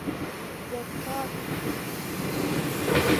بر خوات: